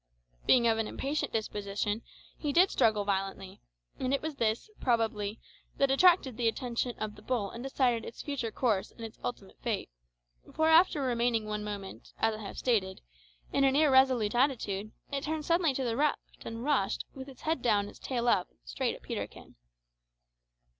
Being of an impatient disposition, he did struggle violently, and it was this, probably, that attracted the attention of the bull and decided its future course and its ultimate fate; for after remaining one moment, as I have stated, in an irresolute attitude, it turned suddenly to the left and rushed, with its head down and its tail up, straight at Peterkin.